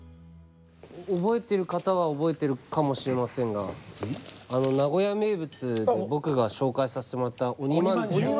覚えてる方は覚えてるかもしれませんが名古屋名物で僕が紹介させてもらった鬼まんじゅう。